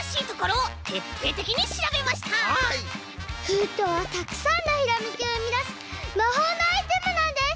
ふうとうはたくさんのひらめきをうみだすまほうのアイテムなんです！